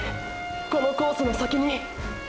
このコースの先に！！